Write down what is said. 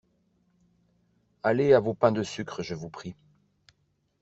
Allez à vos pains de sucre, je vous prie.